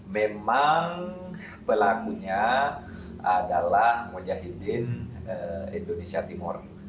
memang pelakunya adalah mujahidin indonesia timur